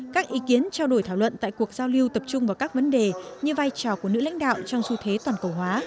các ý kiến trao đổi thảo luận tại cuộc giao lưu tập trung vào các vấn đề như vai trò của nữ lãnh đạo trong xu thế toàn cầu hóa